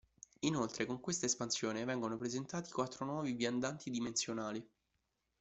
Inoltre con questa espansione vengono presentati quattro nuovi "viandanti dimensionali".